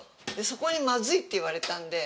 そこにまずいって言われたんで。